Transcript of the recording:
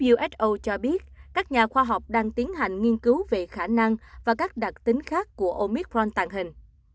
uso cho biết các nhà khoa học đang tiến hành nghiên cứu về khả năng và các đặc tính khác của omicron tàn hình